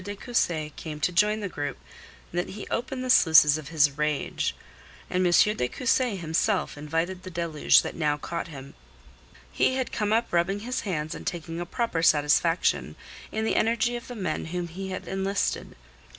de Cussy came to join the group that he opened the sluices of his rage. And M. de Cussy himself invited the deluge that now caught him. He had come up rubbing his hands and taking a proper satisfaction in the energy of the men whom he had enlisted.